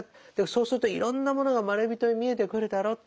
そうするといろんなものがまれびとに見えてくるだろう。